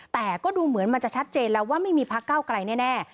แต่ก็ดูเหมือนมันจะชัดเจนแล้วว่าไม่มีพักเก้าไกลแน่